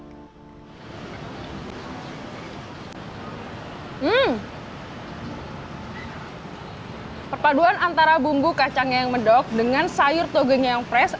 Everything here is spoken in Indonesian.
hmm perpaduan antara bumbu kacangnya yang medok dengan sayur togengnya yang fresh